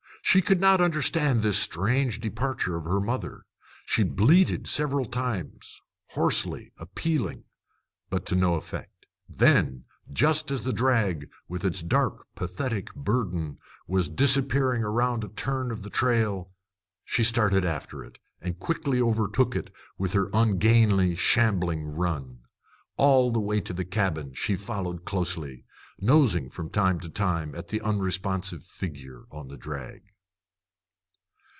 She could not understand this strange departure of her mother. She bleated several times, hoarsely, appealingly; but all to no effect. Then, just as the drag, with its dark, pathetic burden, was disappearing around a turn of the trail, she started after it, and quickly overtook it with her ungainly, shambling run. All the way to the cabin she followed closely, nosing from time to time at the unresponsive figure on the drag.